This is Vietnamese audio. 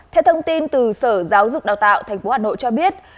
theo thông tin từ sở giáo dục đào tạo thành phố hà nội cho biết